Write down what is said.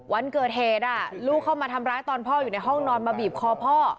วันเกิดเหตุลูกเข้ามาทำร้ายตอนพ่ออยู่ในห้องนอนมาบีบคอพ่อ